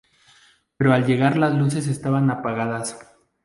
Pero al llegar las luces estaban apagadas.